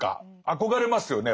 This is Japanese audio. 憧れますよね